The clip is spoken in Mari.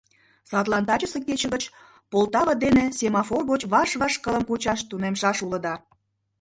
Садлан тачысе кече гыч «Полтава» дене семафор гоч ваш-ваш кылым кучаш тунемшаш улыда.